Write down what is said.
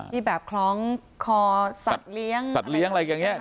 ที่แบบคล้องคอสัตว์เลี้ยงอะไรแบบนี้ครับ